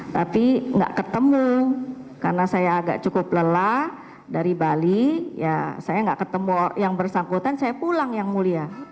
tapi nggak ketemu karena saya agak cukup lelah dari bali ya saya nggak ketemu yang bersangkutan saya pulang yang mulia